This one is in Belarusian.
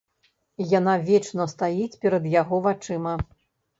Яна вечна стаіць перад яго вачыма.